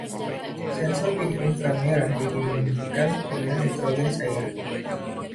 Sensor bidik inframerah didinginkan dengan nitrogen cair.